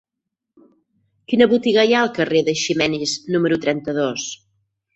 Quina botiga hi ha al carrer d'Eiximenis número trenta-dos?